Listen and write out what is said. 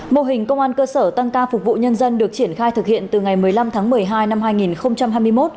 mô hình công an cơ sở tăng ca phục vụ nhân dân được triển khai thực hiện từ ngày một mươi năm tháng một mươi hai năm hai nghìn hai mươi một